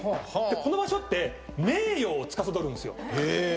この場所って名誉をつかさどるんですよ。